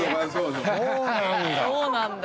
そうなんだ。